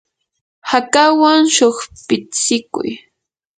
hakawan shuqpitsikuy.